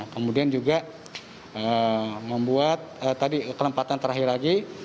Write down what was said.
kemudian juga membuat tadi kelempatan terakhir lagi